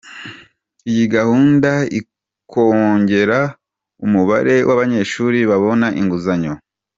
Iyi gahunda ikongera umubare w’abanyeshuri babona inguzanyo ku buryo bworoshye.